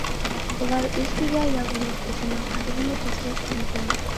ئۇلار ئۆزگىگە يالۋۇرۇپ ئۆزىنىڭ قەدرىنى پەسلەشتۈرىدۇ.